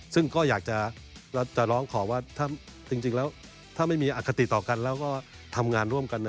ซึ่งก็อยากจะร้องขอว่าถ้าไม่มีอากติต่อกันแล้วก็ทำงานร่วมกัน